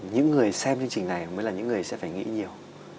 những người xem chương trình này mới là những người sẽ phải nghĩ nhiều